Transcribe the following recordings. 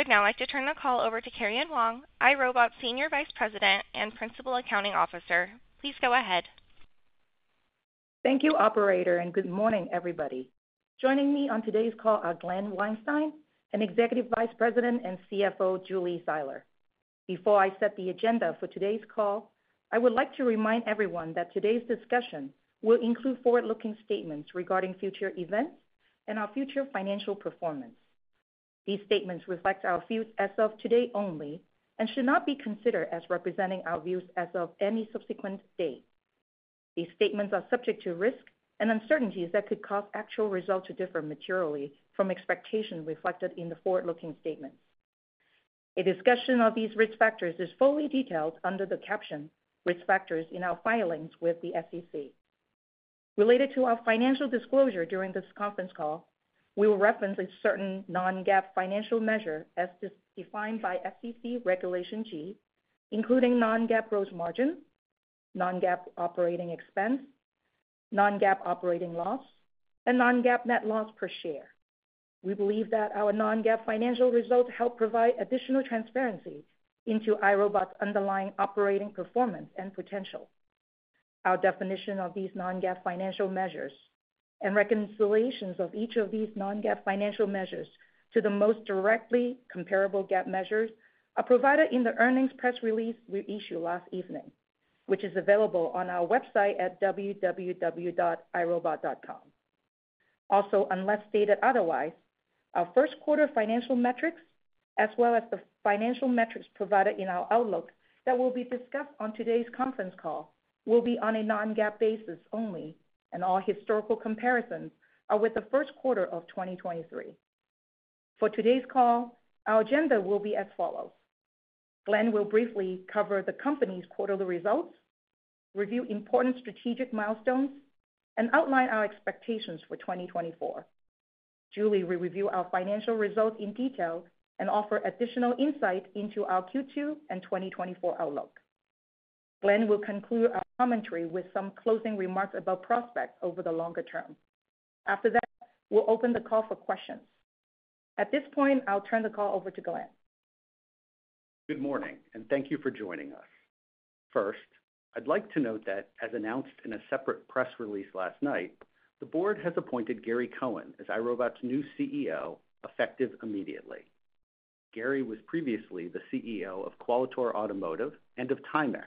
I would now like to turn the call over to Karian Wong, iRobot Senior Vice President and Principal Accounting Officer. Please go ahead. Thank you, Operator, and good morning, everybody. Joining me on today's call are Glen Weinstein and Executive Vice President and CFO Julie Zeiler. Before I set the agenda for today's call, I would like to remind everyone that today's discussion will include forward-looking statements regarding future events and our future financial performance. These statements reflect our views as of today only and should not be considered as representing our views as of any subsequent date. These statements are subject to risk and uncertainties that could cause actual results to differ materially from expectations reflected in the forward-looking statements. A discussion of these risk factors is fully detailed under the caption "Risk Factors in Our Filings with the SEC." Related to our financial disclosure during this conference call, we will reference a certain non-GAAP financial measure as defined by SEC Regulation G, including non-GAAP gross margin, non-GAAP operating expense, non-GAAP operating loss, and non-GAAP net loss per share. We believe that our non-GAAP financial results help provide additional transparency into iRobot's underlying operating performance and potential. Our definition of these non-GAAP financial measures, and reconciliations of each of these non-GAAP financial measures to the most directly comparable GAAP measures, are provided in the earnings press release we issued last evening, which is available on our website at www.irobot.com. Also, unless stated otherwise, our first-quarter financial metrics, as well as the financial metrics provided in our outlook that will be discussed on today's conference call, will be on a non-GAAP basis only, and all historical comparisons are with the first quarter of 2023. For today's call, our agenda will be as follows: Glen will briefly cover the company's quarterly results, review important strategic milestones, and outline our expectations for 2024. Julie will review our financial results in detail and offer additional insight into our Q2 and 2024 outlook. Glen will conclude our commentary with some closing remarks about prospects over the longer term. After that, we'll open the call for questions. At this point, I'll turn the call over to Glen. Good morning, and thank you for joining us. First, I'd like to note that, as announced in a separate press release last night, the board has appointed Gary Cohen as iRobot's new CEO effective immediately. Gary was previously the CEO of Qualitor Automotive and of Timex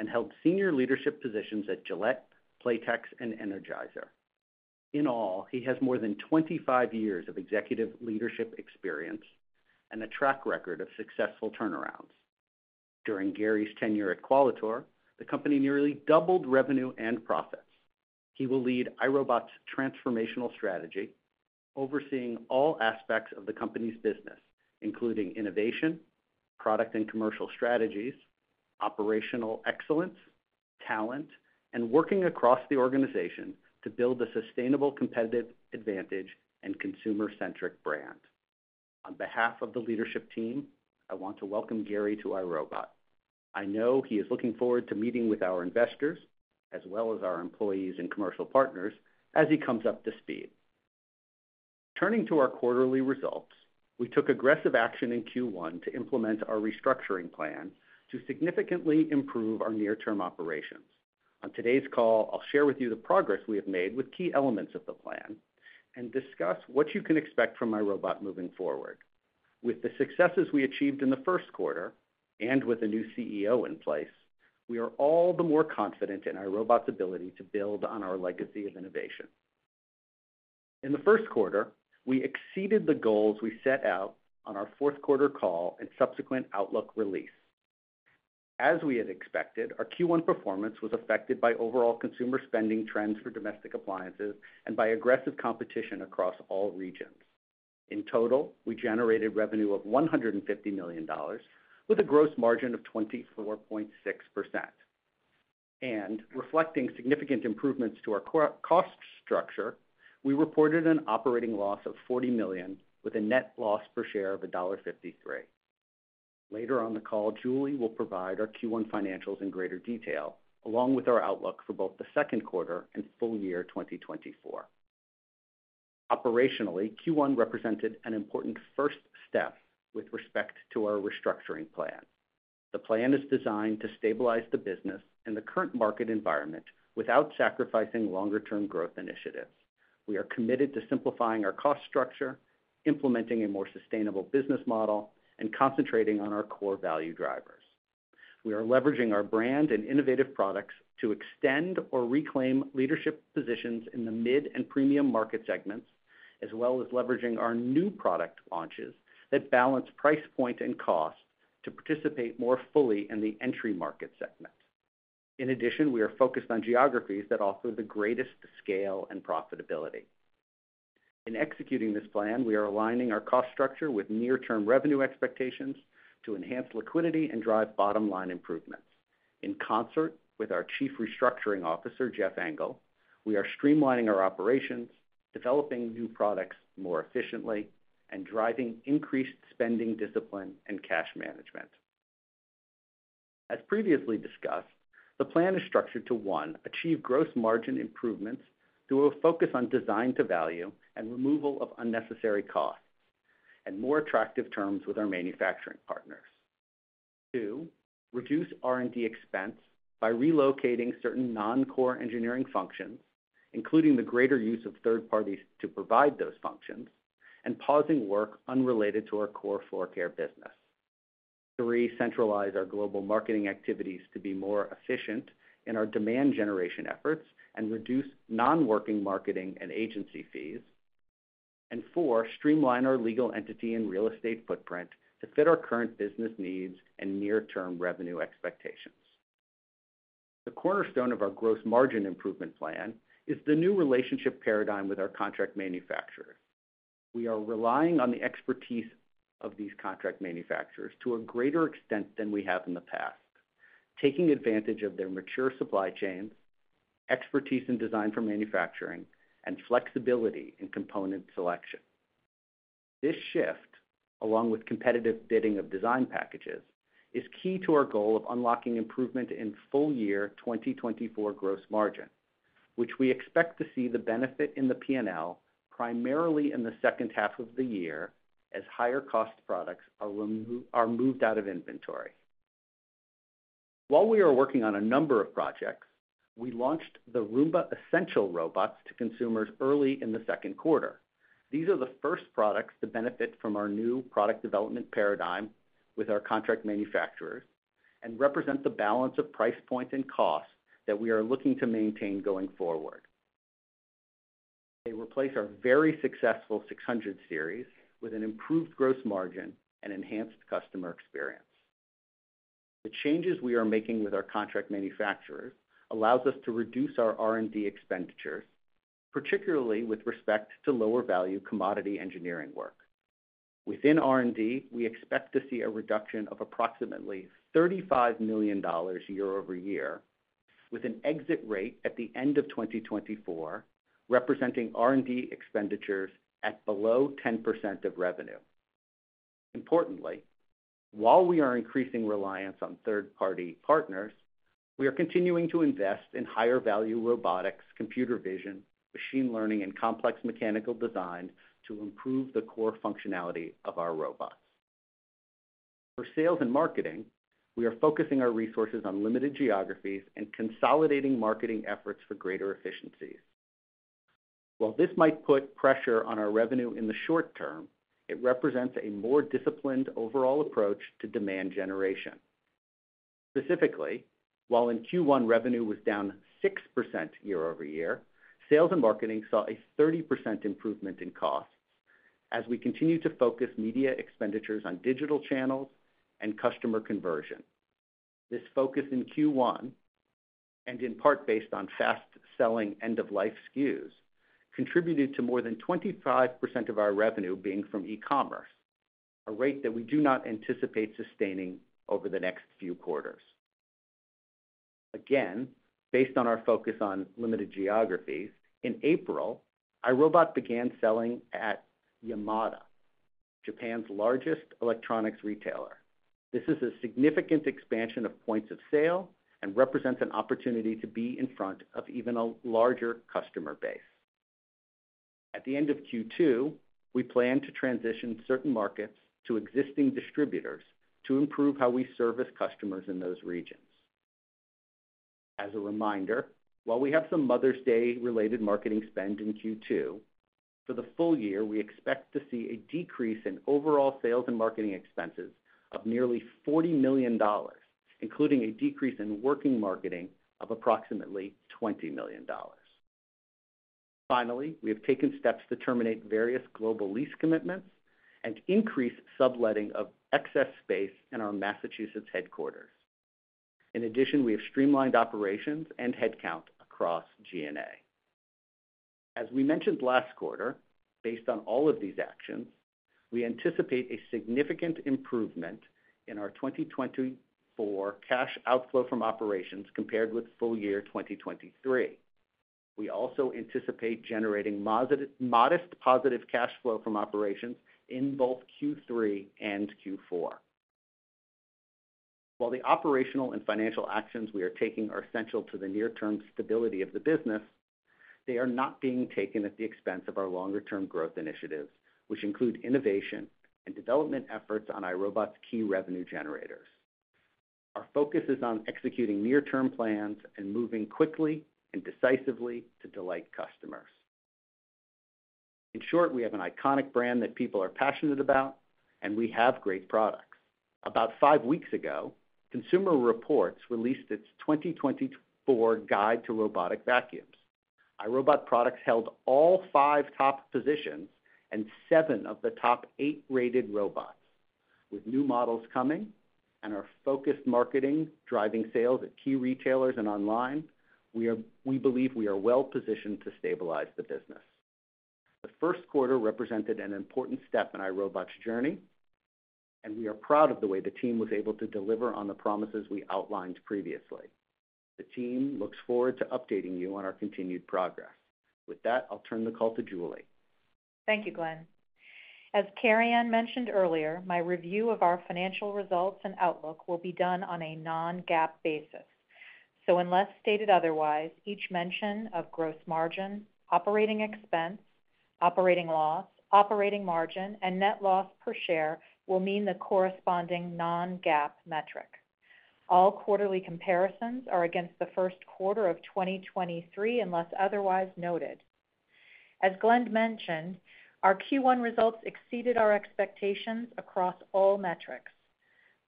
and held senior leadership positions at Gillette, Playtex, and Energizer. In all, he has more than 25 years of executive leadership experience and a track record of successful turnarounds. During Gary's tenure at Qualitor, the company nearly doubled revenue and profits. He will lead iRobot's transformational strategy, overseeing all aspects of the company's business, including innovation, product and commercial strategies, operational excellence, talent, and working across the organization to build a sustainable competitive advantage and consumer-centric brand. On behalf of the leadership team, I want to welcome Gary to iRobot. I know he is looking forward to meeting with our investors, as well as our employees and commercial partners, as he comes up to speed. Turning to our quarterly results, we took aggressive action in Q1 to implement our restructuring plan to significantly improve our near-term operations. On today's call, I'll share with you the progress we have made with key elements of the plan and discuss what you can expect from iRobot moving forward. With the successes we achieved in the first quarter and with a new CEO in place, we are all the more confident in iRobot's ability to build on our legacy of innovation. In the first quarter, we exceeded the goals we set out on our fourth-quarter call and subsequent outlook release. As we had expected, our Q1 performance was affected by overall consumer spending trends for domestic appliances and by aggressive competition across all regions. In total, we generated revenue of $150 million with a gross margin of 24.6%. Reflecting significant improvements to our cost structure, we reported an operating loss of $40 million with a net loss per share of $1.53. Later on the call, Julie will provide our Q1 financials in greater detail, along with our outlook for both the second quarter and full year 2024. Operationally, Q1 represented an important first step with respect to our restructuring plan. The plan is designed to stabilize the business and the current market environment without sacrificing longer-term growth initiatives. We are committed to simplifying our cost structure, implementing a more sustainable business model, and concentrating on our core value drivers. We are leveraging our brand and innovative products to extend or reclaim leadership positions in the mid and premium market segments, as well as leveraging our new product launches that balance price point and cost to participate more fully in the entry market segment. In addition, we are focused on geographies that offer the greatest scale and profitability. In executing this plan, we are aligning our cost structure with near-term revenue expectations to enhance liquidity and drive bottom-line improvements. In concert with our Chief Restructuring Officer, Jeff Engel, we are streamlining our operations, developing new products more efficiently, and driving increased spending discipline and cash management. As previously discussed, the plan is structured to, one, achieve gross margin improvements through a focus on design to value and removal of unnecessary costs and more attractive terms with our manufacturing partners. Two, reduce R&D expense by relocating certain non-core engineering functions, including the greater use of third parties to provide those functions, and pausing work unrelated to our core floor care business. Three, centralize our global marketing activities to be more efficient in our demand generation efforts and reduce non-working marketing and agency fees. And four, streamline our legal entity and real estate footprint to fit our current business needs and near-term revenue expectations. The cornerstone of our gross margin improvement plan is the new relationship paradigm with our contract manufacturers. We are relying on the expertise of these contract manufacturers to a greater extent than we have in the past, taking advantage of their mature supply chains, expertise in design for manufacturing, and flexibility in component selection. This shift, along with competitive bidding of design packages, is key to our goal of unlocking improvement in full year 2024 gross margin, which we expect to see the benefit in the P&L primarily in the second half of the year as higher-cost products are moved out of inventory. While we are working on a number of projects, we launched the Roomba Essential Robots to consumers early in the second quarter. These are the first products to benefit from our new product development paradigm with our contract manufacturers and represent the balance of price point and cost that we are looking to maintain going forward. They replace our very successful 600 Series with an improved gross margin and enhanced customer experience. The changes we are making with our contract manufacturers allow us to reduce our R&D expenditures, particularly with respect to lower-value commodity engineering work. Within R&D, we expect to see a reduction of approximately $35 million year-over-year, with an exit rate at the end of 2024 representing R&D expenditures at below 10% of revenue. Importantly, while we are increasing reliance on third-party partners, we are continuing to invest in higher-value robotics, computer vision, machine learning, and complex mechanical design to improve the core functionality of our robots. For sales and marketing, we are focusing our resources on limited geographies and consolidating marketing efforts for greater efficiencies. While this might put pressure on our revenue in the short term, it represents a more disciplined overall approach to demand generation. Specifically, while in Q1 revenue was down 6% year-over-year, sales and marketing saw a 30% improvement in costs as we continue to focus media expenditures on digital channels and customer conversion. This focus in Q1, and in part based on fast-selling end-of-life SKUs, contributed to more than 25% of our revenue being from e-commerce, a rate that we do not anticipate sustaining over the next few quarters. Again, based on our focus on limited geographies, in April, iRobot began selling at Yamada Denki, Japan's largest electronics retailer. This is a significant expansion of points of sale and represents an opportunity to be in front of even a larger customer base. At the end of Q2, we plan to transition certain markets to existing distributors to improve how we service customers in those regions. As a reminder, while we have some Mother's Day-related marketing spend in Q2, for the full year we expect to see a decrease in overall sales and marketing expenses of nearly $40 million, including a decrease in working marketing of approximately $20 million. Finally, we have taken steps to terminate various global lease commitments and increase subletting of excess space in our Massachusetts headquarters. In addition, we have streamlined operations and headcount across G&A. As we mentioned last quarter, based on all of these actions, we anticipate a significant improvement in our 2024 cash outflow from operations compared with full year 2023. We also anticipate generating modest positive cash flow from operations in both Q3 and Q4. While the operational and financial actions we are taking are essential to the near-term stability of the business, they are not being taken at the expense of our longer-term growth initiatives, which include innovation and development efforts on iRobot's key revenue generators. Our focus is on executing near-term plans and moving quickly and decisively to delight customers. In short, we have an iconic brand that people are passionate about, and we have great products. About five weeks ago, Consumer Reports released its 2024 Guide to Robotic Vacuums. iRobot products held all five top positions and seven of the top eight-rated robots. With new models coming and our focused marketing driving sales at key retailers and online, we believe we are well-positioned to stabilize the business. The first quarter represented an important step in iRobot's journey, and we are proud of the way the team was able to deliver on the promises we outlined previously. The team looks forward to updating you on our continued progress. With that, I'll turn the call to Julie. Thank you, Glen. As Karian mentioned earlier, my review of our financial results and outlook will be done on a non-GAAP basis. So unless stated otherwise, each mention of gross margin, operating expense, operating loss, operating margin, and net loss per share will mean the corresponding non-GAAP metric. All quarterly comparisons are against the first quarter of 2023 unless otherwise noted. As Glen mentioned, our Q1 results exceeded our expectations across all metrics.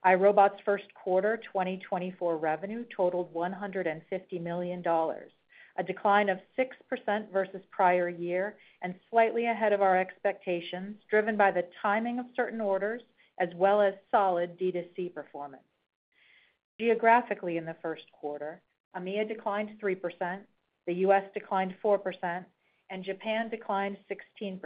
iRobot's first quarter 2024 revenue totaled $150 million, a decline of 6% versus prior year and slightly ahead of our expectations, driven by the timing of certain orders as well as solid D2C performance. Geographically, in the first quarter, AMIA declined 3%, the US declined 4%, and Japan declined 16%.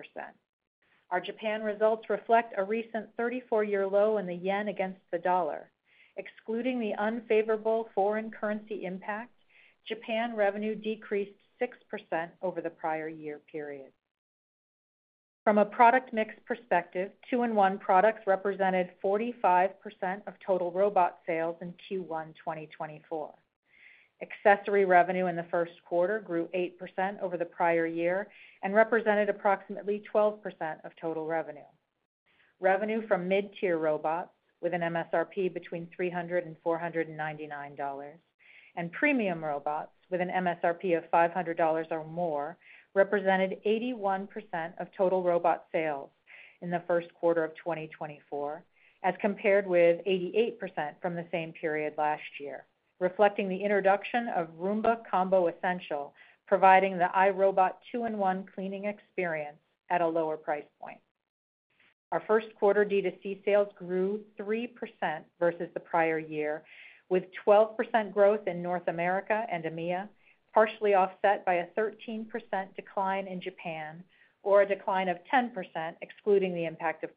Our Japan results reflect a recent 34-year low in the yen against the dollar. Excluding the unfavorable foreign currency impact, Japan revenue decreased 6% over the prior year period. From a product mix perspective, two-in-one products represented 45% of total robot sales in Q1 2024. Accessory revenue in the first quarter grew 8% over the prior year and represented approximately 12% of total revenue. Revenue from mid-tier robots with an MSRP between $300-$499, and premium robots with an MSRP of $500 or more represented 81% of total robot sales in the first quarter of 2024 as compared with 88% from the same period last year, reflecting the introduction of Roomba Combo Essential providing the iRobot two-in-one cleaning experience at a lower price point. Our first quarter D2C sales grew 3% versus the prior year, with 12% growth in North America and AMIA, partially offset by a 13% decline in Japan or a decline of 10% excluding the impact of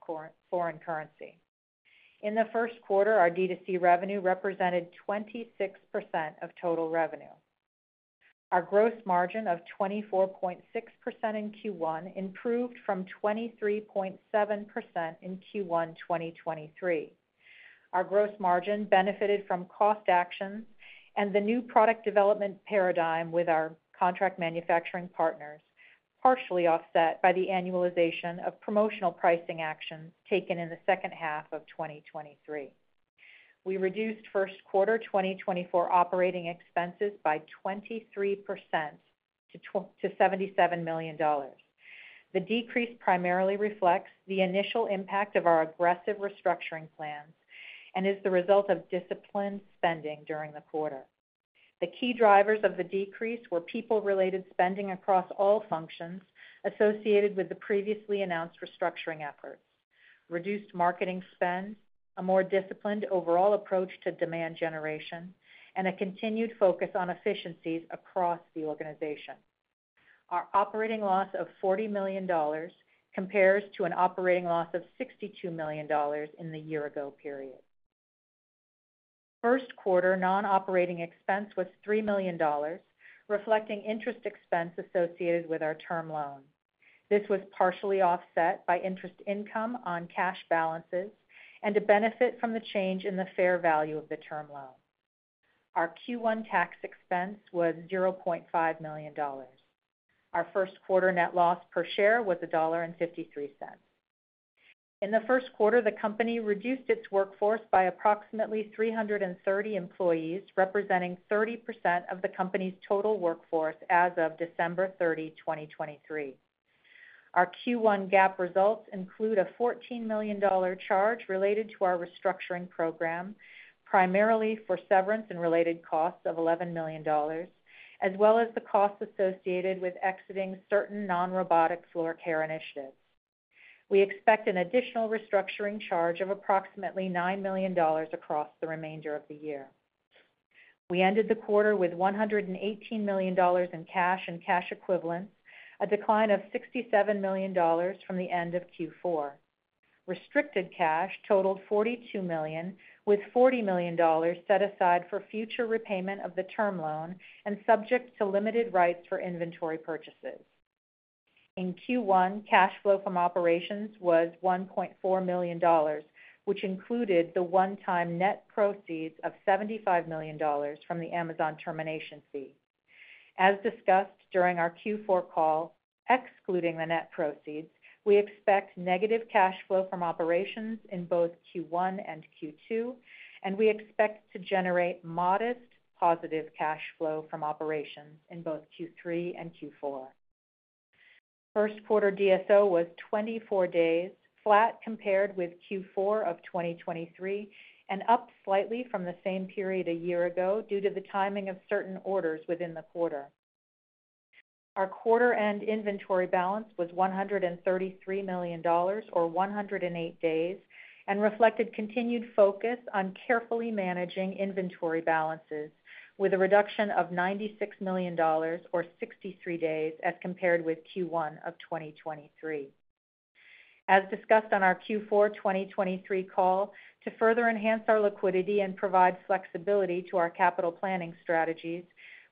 foreign currency. In the first quarter, our D2C revenue represented 26% of total revenue. Our gross margin of 24.6% in Q1 improved from 23.7% in Q1 2023. Our gross margin benefited from cost actions and the new product development paradigm with our contract manufacturing partners, partially offset by the annualization of promotional pricing actions taken in the second half of 2023. We reduced first quarter 2024 operating expenses by 23% to $77 million. The decrease primarily reflects the initial impact of our aggressive restructuring plans and is the result of disciplined spending during the quarter. The key drivers of the decrease were people-related spending across all functions associated with the previously announced restructuring efforts, reduced marketing spend, a more disciplined overall approach to demand generation, and a continued focus on efficiencies across the organization. Our operating loss of $40 million compares to an operating loss of $62 million in the year-ago period. First quarter non-operating expense was $3 million, reflecting interest expense associated with our term loan. This was partially offset by interest income on cash balances and a benefit from the change in the fair value of the term loan. Our Q1 tax expense was $0.5 million. Our first quarter net loss per share was $1.53. In the first quarter, the company reduced its workforce by approximately 330 employees, representing 30% of the company's total workforce as of December 30, 2023. Our Q1 GAAP results include a $14 million charge related to our restructuring program, primarily for severance and related costs of $11 million, as well as the costs associated with exiting certain non-robotic floor care initiatives. We expect an additional restructuring charge of approximately $9 million across the remainder of the year. We ended the quarter with $118 million in cash and cash equivalents, a decline of $67 million from the end of Q4. Restricted cash totaled $42 million, with $40 million set aside for future repayment of the term loan and subject to limited rights for inventory purchases. In Q1, cash flow from operations was $1.4 million, which included the one-time net proceeds of $75 million from the Amazon termination fee. As discussed during our Q4 call, excluding the net proceeds, we expect negative cash flow from operations in both Q1 and Q2, and we expect to generate modest positive cash flow from operations in both Q3 and Q4. First quarter DSO was 24 days, flat compared with Q4 of 2023 and up slightly from the same period a year ago due to the timing of certain orders within the quarter. Our quarter-end inventory balance was $133 million or 108 days and reflected continued focus on carefully managing inventory balances with a reduction of $96 million or 63 days as compared with Q1 of 2023. As discussed on our Q4 2023 call, to further enhance our liquidity and provide flexibility to our capital planning strategies,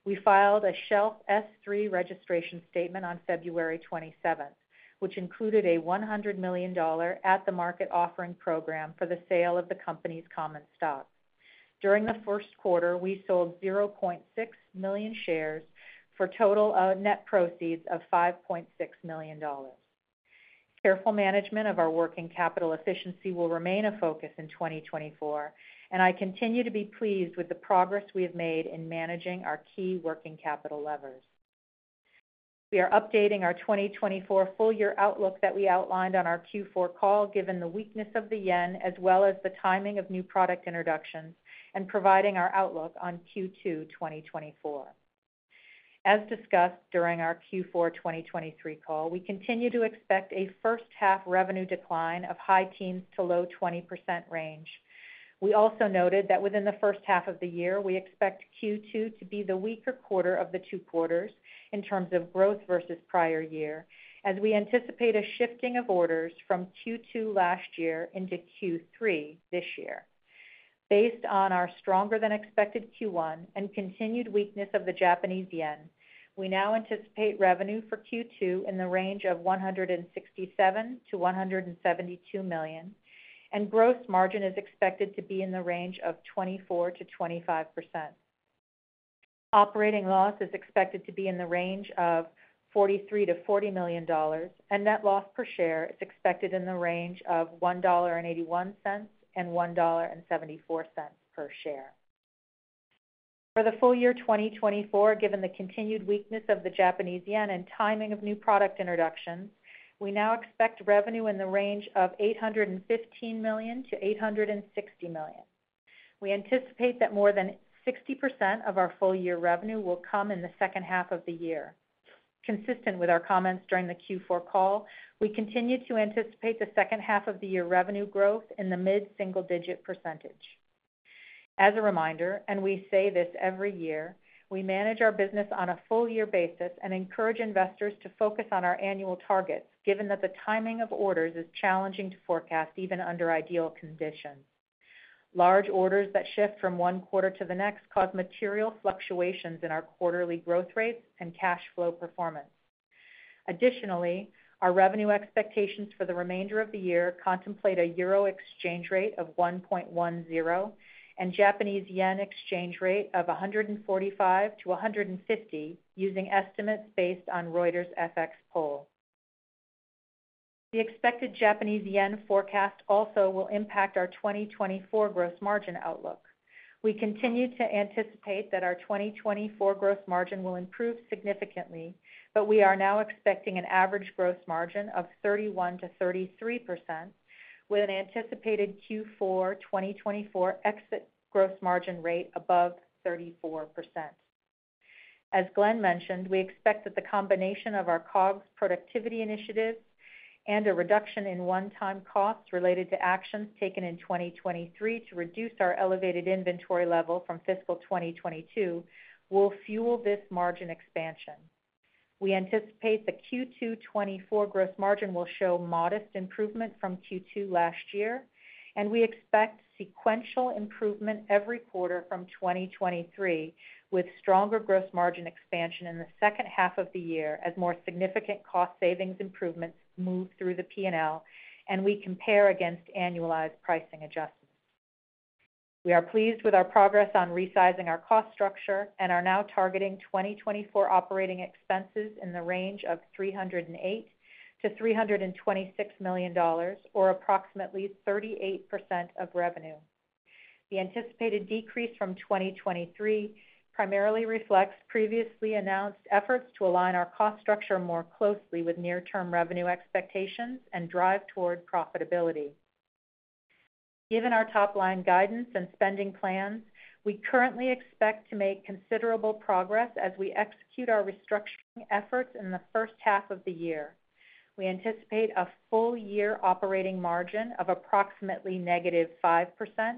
we filed a Shelf S-3 registration statement on February 27th, which included a $100 million at-the-market offering program for the sale of the company's common stock. During the first quarter, we sold 0.6 million shares for a total net proceeds of $5.6 million. Careful management of our working capital efficiency will remain a focus in 2024, and I continue to be pleased with the progress we have made in managing our key working capital levers. We are updating our 2024 full-year outlook that we outlined on our Q4 call given the weakness of the yen as well as the timing of new product introductions and providing our outlook on Q2 2024. As discussed during our Q4 2023 call, we continue to expect a first-half revenue decline of high teens to low 20% range. We also noted that within the first half of the year, we expect Q2 to be the weaker quarter of the two quarters in terms of growth versus prior year, as we anticipate a shifting of orders from Q2 last year into Q3 this year. Based on our stronger-than-expected Q1 and continued weakness of the Japanese yen, we now anticipate revenue for Q2 in the range of $167-$172 million, and gross margin is expected to be in the range of 24%-25%. Operating loss is expected to be in the range of $43 million-$40 million, and net loss per share is expected in the range of $1.81-$1.74 per share. For the full year 2024, given the continued weakness of the Japanese yen and timing of new product introductions, we now expect revenue in the range of $815 million-$860 million. We anticipate that more than 60% of our full-year revenue will come in the second half of the year. Consistent with our comments during the Q4 call, we continue to anticipate the second half of the year revenue growth in the mid-single-digit percentage. As a reminder, and we say this every year, we manage our business on a full-year basis and encourage investors to focus on our annual targets given that the timing of orders is challenging to forecast even under ideal conditions. Large orders that shift from one quarter to the next cause material fluctuations in our quarterly growth rates and cash flow performance. Additionally, our revenue expectations for the remainder of the year contemplate a EUR exchange rate of 1.10 and JPY exchange rate of 145-150 using estimates based on Reuters FX poll. The expected Japanese yen forecast also will impact our 2024 gross margin outlook. We continue to anticipate that our 2024 gross margin will improve significantly, but we are now expecting an average gross margin of 31%-33% with an anticipated Q4 2024 exit gross margin rate above 34%. As Glen mentioned, we expect that the combination of our COGS productivity initiative and a reduction in one-time costs related to actions taken in 2023 to reduce our elevated inventory level from fiscal 2022 will fuel this margin expansion. We anticipate the Q2 2024 gross margin will show modest improvement from Q2 last year, and we expect sequential improvement every quarter from 2023 with stronger gross margin expansion in the second half of the year as more significant cost savings improvements move through the P&L, and we compare against annualized pricing adjustments. We are pleased with our progress on resizing our cost structure and are now targeting 2024 operating expenses in the range of $308 million-$326 million or approximately 38% of revenue. The anticipated decrease from 2023 primarily reflects previously announced efforts to align our cost structure more closely with near-term revenue expectations and drive toward profitability. Given our top-line guidance and spending plans, we currently expect to make considerable progress as we execute our restructuring efforts in the first half of the year. We anticipate a full-year operating margin of approximately -5%-7%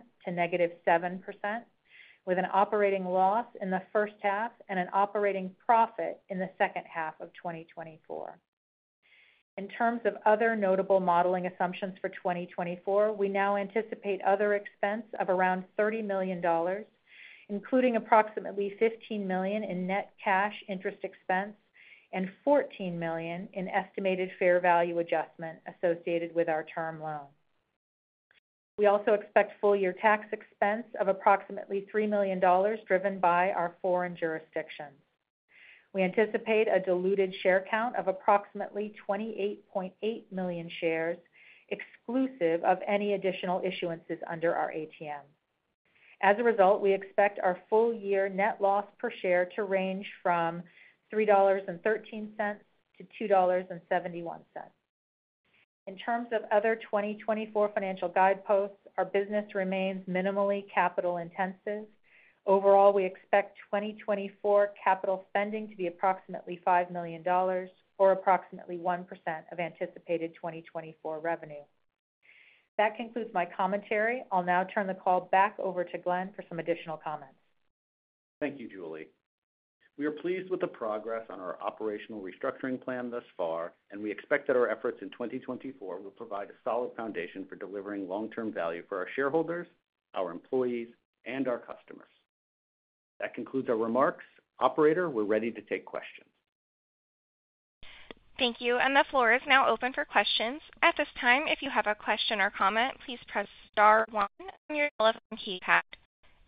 with an operating loss in the first half and an operating profit in the second half of 2024. In terms of other notable modeling assumptions for 2024, we now anticipate other expense of around $30 million, including approximately $15 million in net cash interest expense and $14 million in estimated fair value adjustment associated with our term loan. We also expect full-year tax expense of approximately $3 million driven by our foreign jurisdictions. We anticipate a diluted share count of approximately 28.8 million shares exclusive of any additional issuances under our ATM. As a result, we expect our full-year net loss per share to range from $3.13-$2.71. In terms of other 2024 financial guideposts, our business remains minimally capital intensive. Overall, we expect 2024 capital spending to be approximately $5 million or approximately 1% of anticipated 2024 revenue. That concludes my commentary. I'll now turn the call back over to Glen for some additional comments. Thank you, Julie. We are pleased with the progress on our operational restructuring plan thus far, and we expect that our efforts in 2024 will provide a solid foundation for delivering long-term value for our shareholders, our employees, and our customers. That concludes our remarks. Operator, we're ready to take questions. Thank you. The floor is now open for questions. At this time, if you have a question or comment, please press star one on your telephone keypad.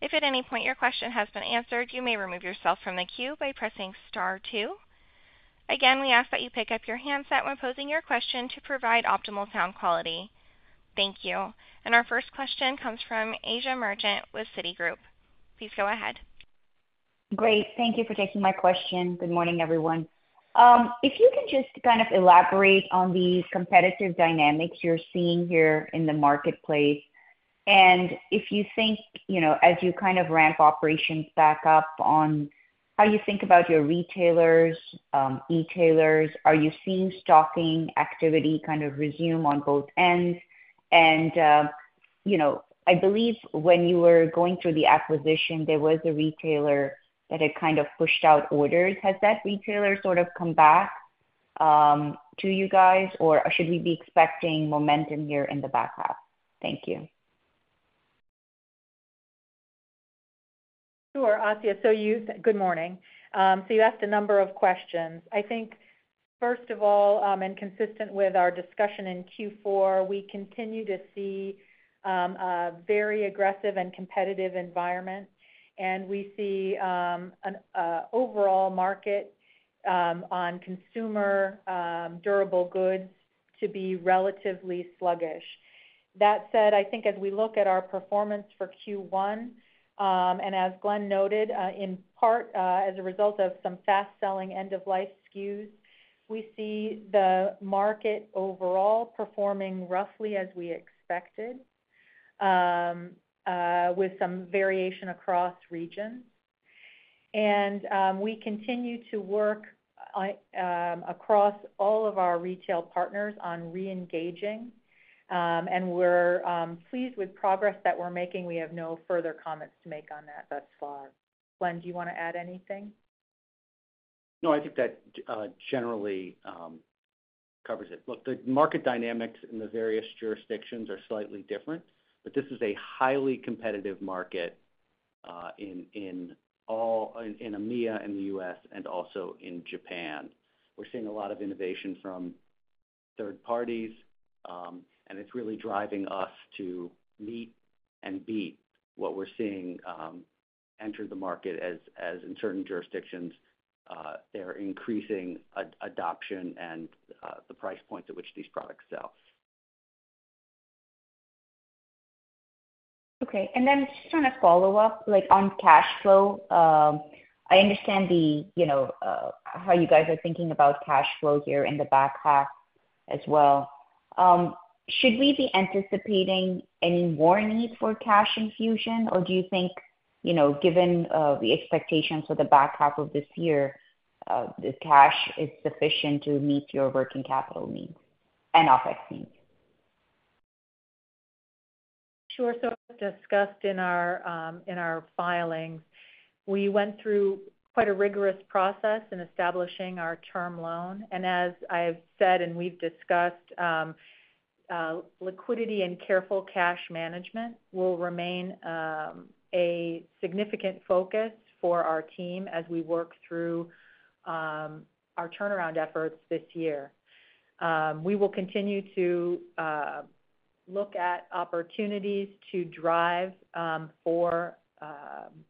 If at any point your question has been answered, you may remove yourself from the queue by pressing star two. Again, we ask that you pick up your handset when posing your question to provide optimal sound quality. Thank you. Our first question comes from Asiya Merchant with Citigroup. Please go ahead. Great. Thank you for taking my question. Good morning, everyone. If you can just kind of elaborate on these competitive dynamics you're seeing here in the marketplace, and if you think as you kind of ramp operations back up on how you think about your retailers, e-tailers, are you seeing stocking activity kind of resume on both ends? And I believe when you were going through the acquisition, there was a retailer that had kind of pushed out orders. Has that retailer sort of come back to you guys, or should we be expecting momentum here in the back half? Thank you. Sure, Asiya. So good morning. So you asked a number of questions. I think, first of all, and consistent with our discussion in Q4, we continue to see a very aggressive and competitive environment, and we see an overall market on consumer durable goods to be relatively sluggish. That said, I think as we look at our performance for Q1, and as Glen noted, in part as a result of some fast-selling end-of-life SKUs, we see the market overall performing roughly as we expected with some variation across regions. And we continue to work across all of our retail partners on reengaging, and we're pleased with progress that we're making. We have no further comments to make on that thus far. Glen, do you want to add anything? No, I think that generally covers it. Look, the market dynamics in the various jurisdictions are slightly different, but this is a highly competitive market in EMEA and the US and also in Japan. We're seeing a lot of innovation from third parties, and it's really driving us to meet and beat what we're seeing enter the market as in certain jurisdictions, their increasing adoption and the price point at which these products sell. Okay. Then just kind of follow up on cash flow. I understand how you guys are thinking about cash flow here in the back half as well. Should we be anticipating any more need for cash infusion, or do you think given the expectations for the back half of this year, the cash is sufficient to meet your working capital needs and OPEX needs? Sure. So as discussed in our filings, we went through quite a rigorous process in establishing our term loan. As I've said and we've discussed, liquidity and careful cash management will remain a significant focus for our team as we work through our turnaround efforts this year. We will continue to look at opportunities to drive for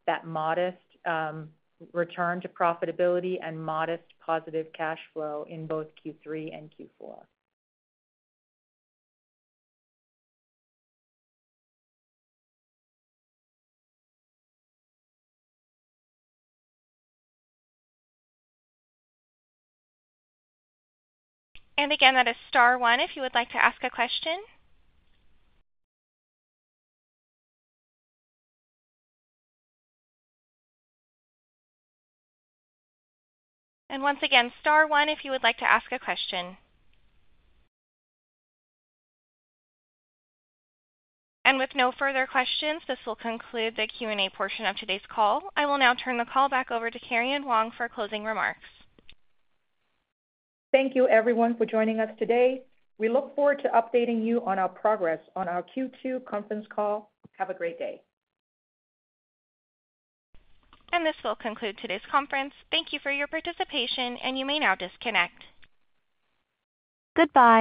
that modest return to profitability and modest positive cash flow in both Q3 and Q4. And again, that is star one if you would like to ask a question. And once again, star one if you would like to ask a question. And with no further questions, this will conclude the Q&A portion of today's call. I will now turn the call back over to Karian Wong for closing remarks. Thank you, everyone, for joining us today. We look forward to updating you on our progress on our Q2 conference call. Have a great day. This will conclude today's conference. Thank you for your participation, and you may now disconnect. Goodbye.